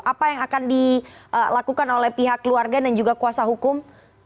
apa yang akan dilakukan oleh pihak keluarga dan juga kuasa hukum